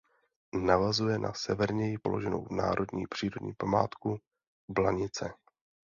Navazuje na severněji položenou národní přírodní památku Blanice.